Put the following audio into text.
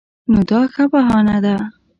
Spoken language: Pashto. نو دا ښه بهانه ده.